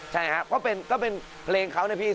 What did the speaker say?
ใช่ครับก็เป็นเพลงเขานะพี่